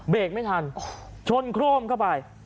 เบรกไม่ทันชนโคร่มเข้าไป